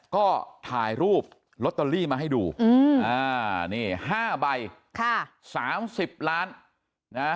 ก็ถ่ายรูปมาให้ดูอืมอ่านี่ห้าใบค่ะสามสิบล้านนะ